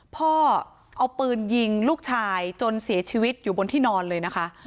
พ่อเอาปืนยิงลูกชายจนเสียชีวิตอยู่บนที่นอนเลยนะคะ